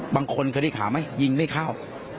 บางคนเคยได้ขาไหมยิงไม่เข้า